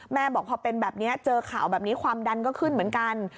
บอกพอเป็นแบบนี้เจอข่าวแบบนี้ความดันก็ขึ้นเหมือนกัน